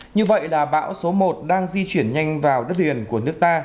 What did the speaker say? như vậy là bão số một đang di chuyển nhanh vào đất liền của nước ta